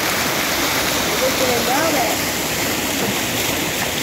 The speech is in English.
But he didn’t know it.